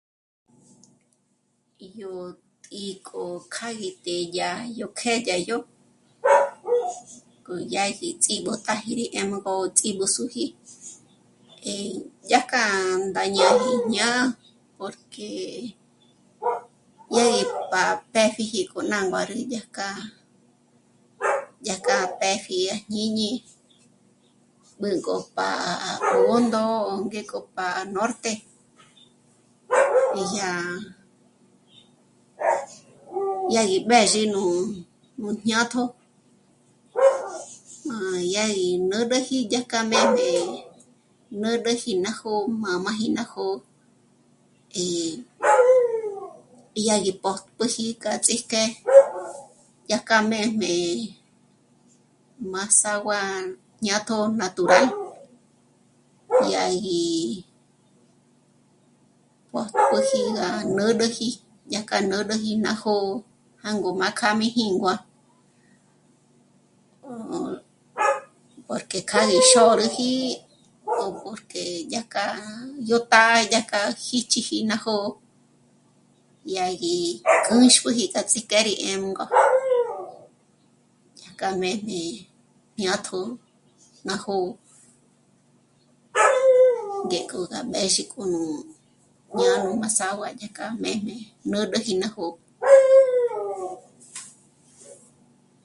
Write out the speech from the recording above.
"Yó tǐ'i k'o kjâ'a gí té'e dyá yó kjë́'ë dyá yó, k'oyaji ts'í b'ótáji yá nú'ugö ts'í b'ǘsüji, eh..., dyájkja 'ā̂ndā ñáji ñá'a porque dyá gí pá'a pë́pjiji k'o nà nguârü dyájkja, dyájkja pë́pji à jñíñi, b'ǘnk'o pá'a à Bṓndo ngék'o pá'a Norte, dyá, dyá gí b'ézhi nú jñátjo, má yá gí nǚrüji dyá k'a mḗjm'ē nǚrüji ná jó'o, mā̌māji ná jó'o í dyá gí pójp'üji k'a ts'íjk'e dyájkja mḗjm'ē ""mazahua jñátjo natural"" dyá gí pójp'üji gá nǚrüji, dyájkja nǚrüji ná jó'o jângo má kjâ'a mí jíngua, porque kjâ'a gí xôrüji o porque dyá k'a yó tá'a dyá k'a jíchiji ná jó'o dyá gí kǖ̌xp'üji k'a ts'ík'e rí jêngo, dyájk'a mḗjm'e jñátjo ná jó'o, ngék'o gá mbéxi k'o nú jñá'a nú mazahua ñék'a mḗjm'ḗ nǚrüji ná jó'o"